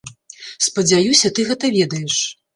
Спадзяюся, ты гэта ведаеш.